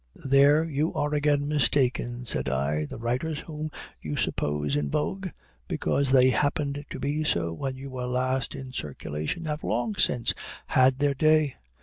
'" "There you are again mistaken," said I; "the writers whom you suppose in vogue, because they happened to be so when you were last in circulation, have long since had their day.